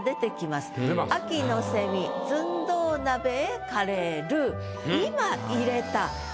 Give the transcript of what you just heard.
「秋の蝉寸胴鍋へカレールー」。